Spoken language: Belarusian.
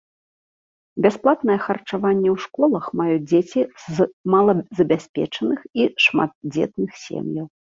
Бясплатнае харчаванне ў школах маюць дзеці з малазабяспечаных і шматдзетных сем'яў.